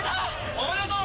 おめでとう！